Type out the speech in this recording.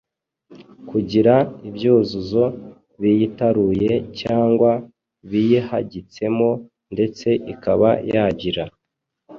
kugira ibyuzuzo biyitaruye cyangwa biyihagitsemo ndetse ikaba yagira